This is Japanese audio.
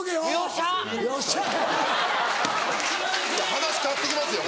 話変わってきますよ